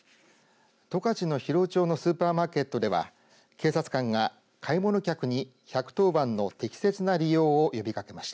十勝の広尾町のスーパーマーケットでは警察官が買い物客に１１０番の適切な利用を呼びかけました。